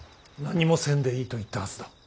何もせんでいいと言ったはずだ。